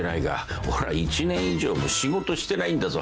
俺は１年以上も仕事してないんだぞハハッ。